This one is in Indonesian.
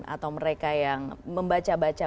atau mereka yang membaca baca